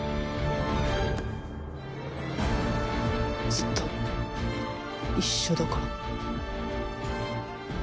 ずっと一緒だから。